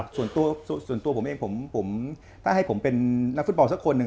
ส่วนตัวผมเองถ้าให้ผมเป็นนักฟุตบอลซักคน